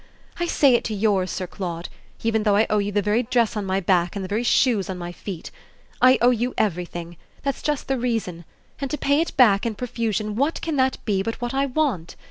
I say it to yours, Sir Claude, even though I owe you the very dress on my back and the very shoes on my feet. I owe you everything that's just the reason; and to pay it back, in profusion, what can that be but what I want?